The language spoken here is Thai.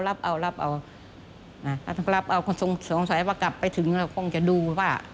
ถ้าท่านก็รับเอาคงสงสัยว่ากลับไปถึงเราคงจะดูว่า